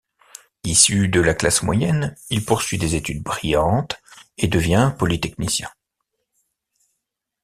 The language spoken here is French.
Issu de la classe moyenne, il poursuit des études brillantes et devient polytechnicien.